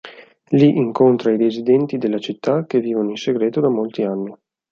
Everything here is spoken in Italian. Lì incontra i residenti della città che vivono in segreto da molti anni.